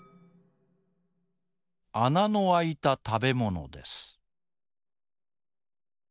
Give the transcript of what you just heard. あなのあいたたべものです。